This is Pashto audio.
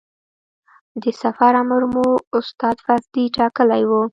د سفر امر مو استاد فضلي ټاکلی و.